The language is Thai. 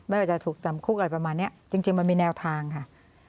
ไม่ว่าจะถูกจำคุกอะไรประมาณนี้จริงมันมีแนวทางค่ะ